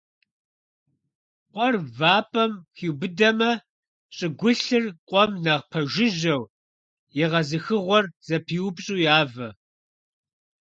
Къуэр вапӀэм хиубыдэмэ, щӀыгулъыр къуэм нэхъ пэжыжьэу, егъэзыхыгъуэр зэпиупщӀу явэ.